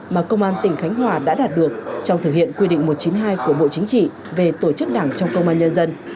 mà công an tỉnh khánh hòa đã đạt được trong thực hiện quy định một trăm chín mươi hai của bộ chính trị về tổ chức đảng trong công an nhân dân